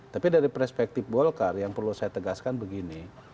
tapi dari perspektif golkar yang perlu saya tegaskan begini